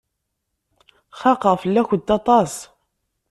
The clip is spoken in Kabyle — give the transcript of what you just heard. Xaqeɣ fell-akent aṭas.